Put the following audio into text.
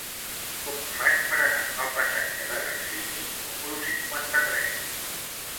Com ho faig per anar al passatge de Garcini número cinquanta-tres?